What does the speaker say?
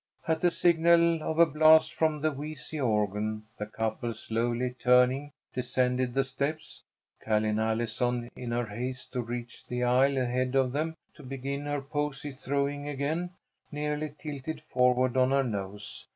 At the signal of a blast from the wheezy organ the couple, slowly turning, descended the steps. Ca'line Allison, in her haste to reach the aisle ahead of them to begin her posy throwing again, nearly tilted forward on her nose.